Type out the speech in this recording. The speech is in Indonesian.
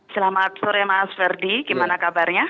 selamat sore mas ferdi gimana kabarnya